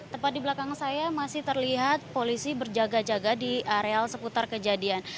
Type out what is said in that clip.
tepat di belakang saya masih terlihat polisi berjaga jaga di areal seputar kejadian